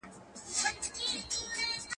چي ستا په یاد په سپینو شپو راباندي څه تېرېږي!